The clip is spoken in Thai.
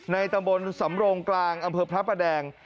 ตำบลสำโรงกลางอำเภอพระประแดง